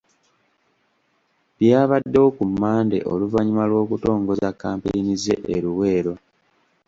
Byabadewo ku Mmande oluvannyuma lw'okutongoza kampeyini ze e Luweero.